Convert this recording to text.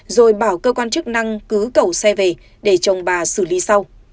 rồi bảo cơ quan chức năng cứ cầu xe về để chồng bà xử lý sau